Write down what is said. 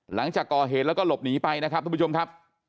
หลังจากก่อเหตุแล้วก็หลบหนีไปนะครับทุกผู้ชมครับ